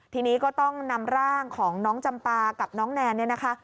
ทีนี้ก็ต้องนำร่างของน้องจำปากับน้องแนนเนี่ยนะคะ